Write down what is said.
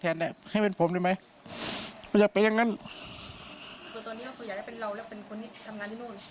ตัวนี้เขาอยากได้เป็นเราหรือเป็นคนที่ทำงานด้วยโน่น